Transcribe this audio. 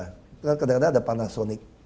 kadang kadang ada panasonic